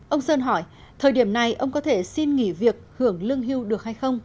ông sơn hỏi thời điểm này ông có thể xin nghỉ việc hưởng lương hưu được hay không